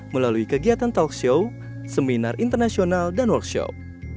melalui kegiatan talkshow seminar internasional dan workshop